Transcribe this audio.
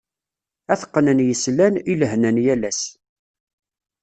Ad t-qnen yeslan, i lehna n yal ass.